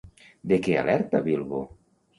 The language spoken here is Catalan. De què alerta Bilbo?